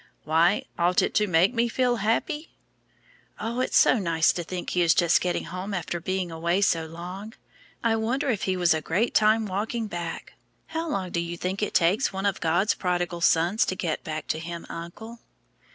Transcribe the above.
"Why ought it to make me feel happy?" "Oh, it's so nice to think he is just getting home after being away so long. I wonder if he was a great time walking back. How long do you think it takes one of God's prodigal sons to get back to Him, uncle?"